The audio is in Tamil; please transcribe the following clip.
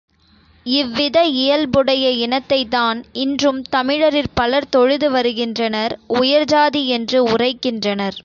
இவ்வித இயல்புடைய இனத்தைத்தான் இன்றும் தமிழரிற் பலர் தொழுது வருகின்றனர் உயர் ஜாதி என்று உரைக்கின்றனர்.